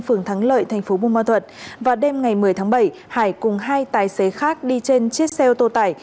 phường thắng lợi tp bumal thuật vào đêm ngày một mươi tháng bảy hải cùng hai tài xế khác đi trên chiếc xe ô tô tải